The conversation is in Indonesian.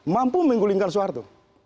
mampu menggulingkan suara itu